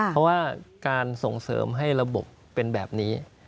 เพราะว่าการส่งเสริมให้ระบบเป็นแบบนี้